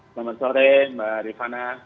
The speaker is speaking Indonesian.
selamat sore mbak rifana